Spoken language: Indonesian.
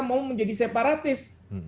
mau menjadi separatis